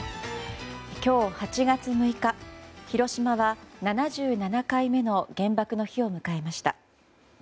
今日、８月６日広島は７７回目の原爆の日を迎えました。